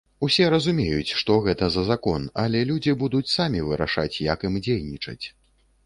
Усе разумеюць, што гэта за закон, але людзі будуць самі вырашаць, як ім дзейнічаць.